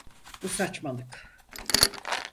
Bu saçmalık.